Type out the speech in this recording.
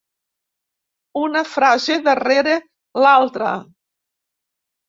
Una frase darrere l'altra.